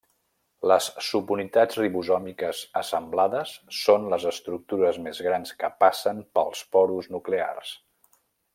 Les subunitats ribosòmiques assemblades són les estructures més grans que passen pels porus nuclears.